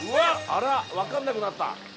あらわかんなくなった。